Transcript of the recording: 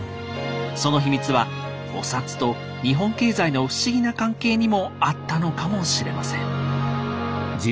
そのヒミツはお札と日本経済の不思議な関係にもあったのかもしれません。